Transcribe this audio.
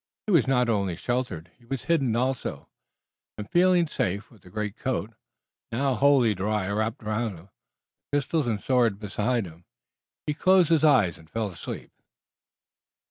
He was not only sheltered, he was hidden also, and feeling safe, with the greatcoat, now wholly dry, wrapped around him, and the pistols and sword beside him, he closed his eyes and fell asleep.